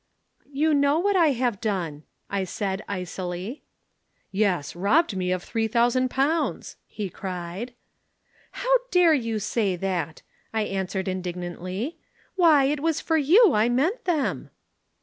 "'You know what I have done,' I replied icily. "'Yes, robbed me of three thousand pounds!' he cried. "'How dare you say that?' I answered indignantly. 'Why, it was for you I meant them.'